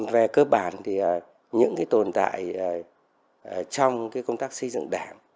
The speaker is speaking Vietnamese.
về cơ bản thì những tồn tại trong công tác xây dựng đảng